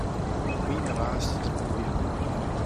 De wyn raast troch de beammen.